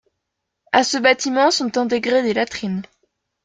À ce bâtiment sont intégrées des latrines.